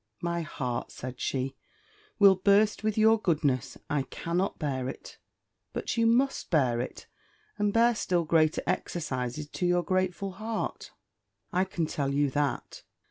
"My heart," said she, "will burst with your goodness! I cannot bear it!" "But you must bear it, and bear still greater exercises to your grateful heart, I can tell you that.